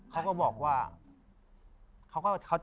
เขาก็บอกว่าเขาจะให้เงินผม